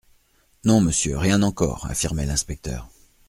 Non, monsieur, rien encore, affirmait l'inspecteur.